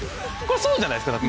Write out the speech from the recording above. これそうじゃないですか。